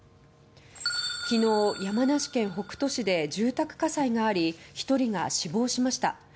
昨日、山梨県北杜市で住宅火災があり１人が死亡しました。